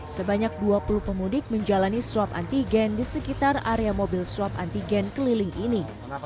sebanyak dua puluh pemudik menjalani swab antigen di sekitar area mobil swab antigen keliling ini